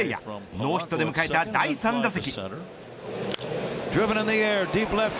ノーヒットで迎えた第３打席。